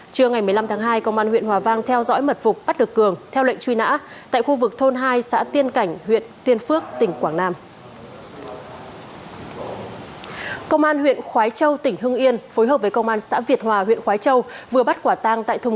trưa ngày một mươi năm tháng hai công an huyện hòa vang theo dõi mật phục bắt được cường theo lệnh truy nã tại khu vực thôn hai xã tiên cảnh huyện tiên phước tỉnh quảng nam